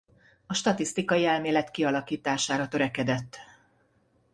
A statisztikai elmélet kialakítására törekedett.